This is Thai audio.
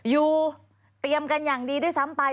อยู่เตรียมกันอย่างดีด้วยซ้ำไป